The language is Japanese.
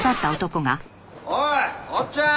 おいおっちゃん！